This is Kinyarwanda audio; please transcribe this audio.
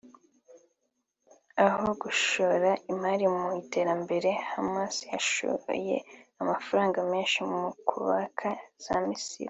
Aho gushora imari mu iterambere Hamas yashoye amafaranga menshi mu kubaka za misile